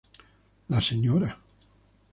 La sra.